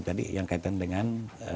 tadi yang kaitan dengan